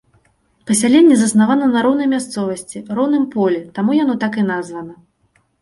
Пасяленне заснавана на роўнай мясцовасці, роўным полі, таму яно так і названа.